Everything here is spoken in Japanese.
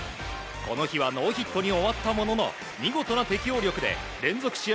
この日はノーヒットに終わったものの見事な適応力で連続試合